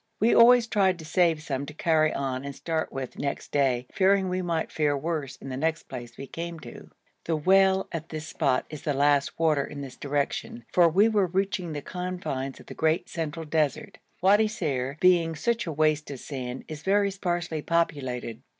We always tried to save some to carry on and start with next day, fearing we might fare worse in the next place we came to. The well at this spot is the last water in this direction, for we were reaching the confines of the great central desert. Wadi Ser, being such a waste of sand, is very sparsely populated.